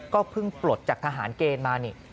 ก็เพิ่งปลดจากทหารเกณฑ์มานี่